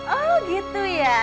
oh gitu ya